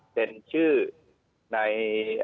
เป็นชื่อใน